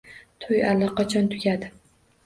To`y allaqachon tugadi